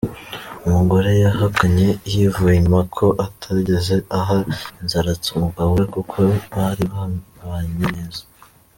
Umugore yahakanye yivuye inyuma ko atigeze aha inzaratsi umugabo we kuko bari babanye neza.